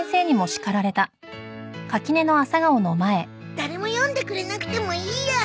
誰も読んでくれなくてもいいや。